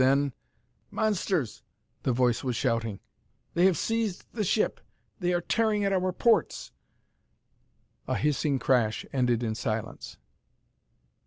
Then "Monsters!" the voice was shouting. "They have seized the ship! They are tearing at our ports " A hissing crash ended in silence....